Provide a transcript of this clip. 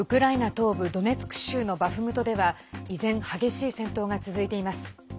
東部ドネツク州のバフムトでは依然、激しい戦闘が続いています。